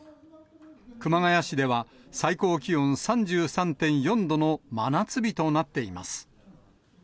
熊谷市では、最高気温３３．４度の真夏日となっています。